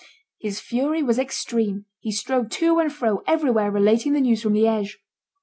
His fury was extreme; he strode to and fro, everywhere relating the news from Liege.